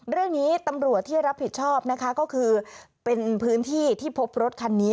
เรื่องนี้ตำรวจที่รับผิดชอบนะคะก็คือเป็นพื้นที่ที่พบรถคันนี้